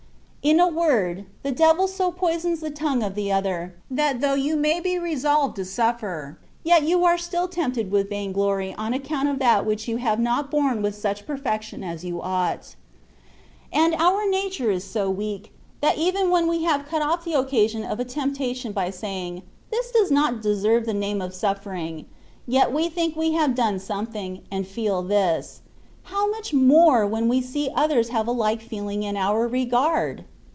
In a word, the devil so poisons the tongue of the other, that though you may be resolved to suffer, yet you are still tempted with vain glory on account of that which you have not borne with such perfection as you ought. And our nature is THE WAY OF PERFECTION. 61 SO weak, that even when we have cut off the occa sion of a temptation by saying, ^^ This does not deserve the name of suffering '^' yet we think we have done something, and feel this: how much more when we see others have a like feeling in our regard